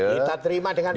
kita terima dengan suhu